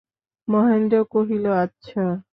মহেন্দ্র কহিল, আচ্ছা।